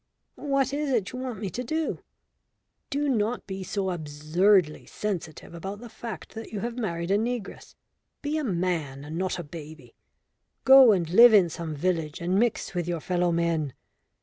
"What is it you want me to do?" "Do not be so absurdly sensitive about the fact that you have married a negress. Be a man and not a baby. Go and live in some village and mix with your fellow men.